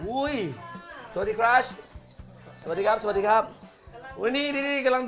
อุ้ยสวัสดีครัชสวัสดีครับสวัสดีครับ